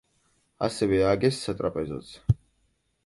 ასევე ააგეს სატრაპეზოც.